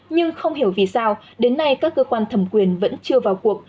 nhưng không hiểu vì sao đến nay các cơ quan thẩm quyền vẫn chưa vào cuộc